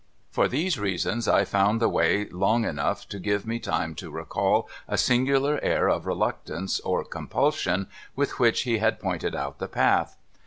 For these reasons, I found the way long enough to give me time to recall a singular air of reluctance or compulsion with which he had pointed out the path.